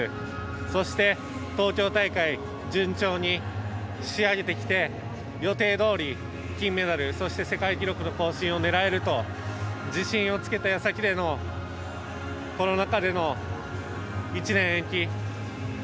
そして、東京大会、順調に仕上げてきて、予定どおり金メダルそして世界記録の更新を狙えると自信をつけたやさきでのコロナ禍での１年延期。